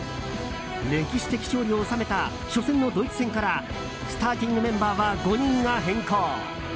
歴史的勝利を収めた初戦のドイツ戦からスターティングメンバーは５人が変更。